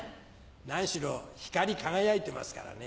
何しろ光り輝いてますからね。